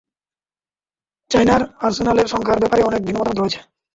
চায়নার আর্সেনালের সংখ্যার ব্যাপারে অনেক ভিন্ন মতামত রয়েছে।